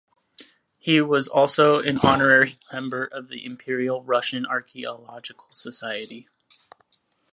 He was also an honorary member of the Imperial Russian Archaeological Society.